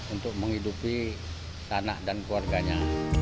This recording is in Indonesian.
untuk menghidupi tanah dan keluarganya